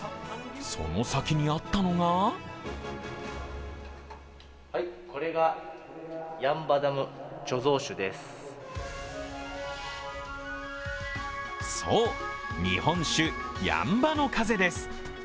その先にあったのがそう日本酒、八ッ場の風です。